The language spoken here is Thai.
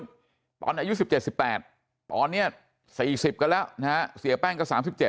ตอนอายุ๑๗๑๘ตอนนี้๔๐กันแล้วนะฮะเสียแป้งก็๓๗